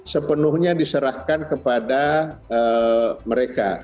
sepenuhnya diserahkan kepada mereka